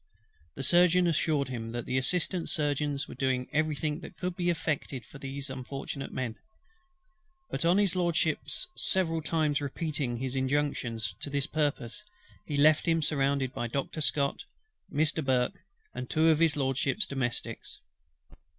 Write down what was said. The Surgeon assured him that the Assistant Surgeons were doing every thing that could be effected for those unfortunate men; but on HIS LORDSHIP's several times repeating his injunctions to that purpose, he left him surrounded by Doctor SCOTT, Mr. BURKE, and two of HIS LORDSHIP'S domestics.